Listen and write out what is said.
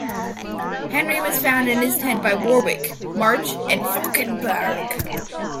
Henry was found in his tent by Warwick, March and Fauconberg.